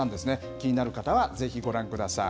気になる方はぜひご覧ください。